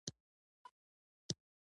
دلته زيات شمېر لغاتونه غلت ليکل شوي